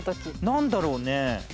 何だろうね？